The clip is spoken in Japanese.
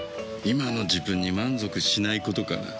今の自分に満足しないことかな。